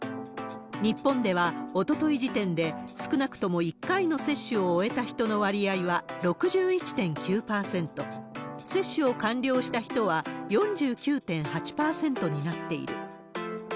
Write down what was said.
日本では、おととい時点で少なくとも１回の接種を終えた人の割合は６１．９％、接種を完了した人は４９．８％になっている。